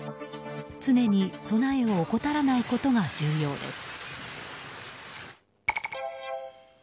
常に備えを怠らないことが重要です。